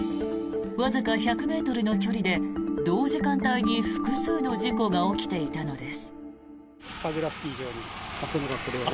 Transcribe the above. わずか１００ｍの距離で同時間帯に複数の事故が起きていたのです。